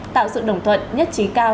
tạo sự đồng thuận nhất trí cao